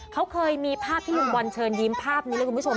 เขาเคยมีภาพที่ลุงบอลเชิญยิ้มภาพนี้เลยคุณผู้ชม